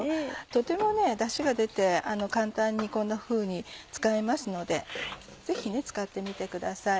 とてもダシが出て簡単にこんなふうに使えますのでぜひ使ってみてください。